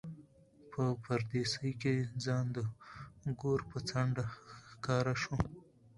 په پردېسۍ کې ځان د ګور په څنډه ښکاره شو.